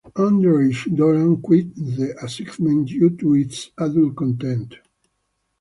Underage Doran quit the assignment due to its adult content.